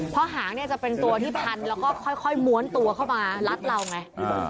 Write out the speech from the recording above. เพราะหางเนี่ยจะเป็นตัวที่พันแล้วก็ค่อยม้วนตัวเข้ามารัดเราไง